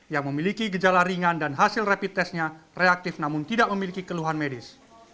yang memiliki gejala ringan dan hasil rapid testnya reaktif namun tidak memiliki keluhan medis